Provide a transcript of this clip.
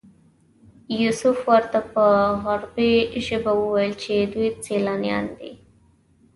یوسف ورته په عبري ژبه وویل چې دوی سیلانیان دي.